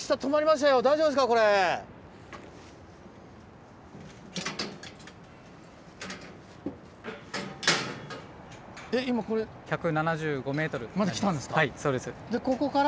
１７５ｍ。まで来たんですか？